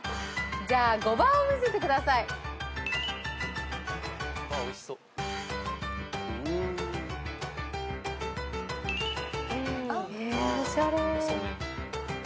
じゃあ５番を見せてください。えおしゃれ。